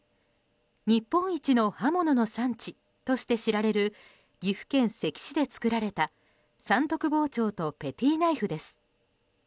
日本一の刃物の産地として知られる岐阜県関市で作られた三徳包丁とペティナイフです。